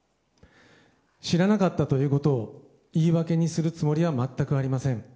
知らなかったということを言い訳にするつもりは全くありません。